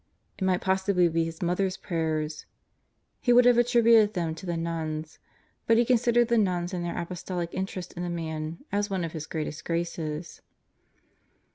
It might possibly be his mother's prayers. He would have attributed them to the nuns, but he considered the nuns and their apostolic interest in the man as one of his greatest graces.